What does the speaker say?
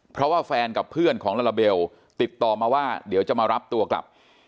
เพราะว่าแฟนกับเพื่อนของลาลาเบลติดต่อมาว่าเดี๋ยวจะมารับตัวกลับ